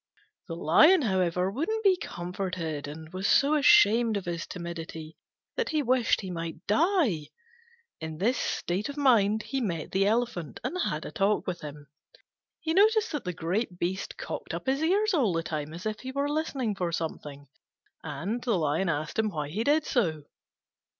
The Lion, however, wouldn't be comforted, and was so ashamed of his timidity that he wished he might die. In this state of mind, he met the Elephant and had a talk with him. He noticed that the great beast cocked up his ears all the time, as if he were listening for something, and he asked him why he did so.